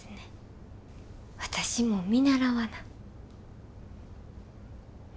私も見習わな。